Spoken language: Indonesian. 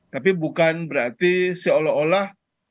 tapi bukan berarti seolah olah itu adalah uang jajan istri beliau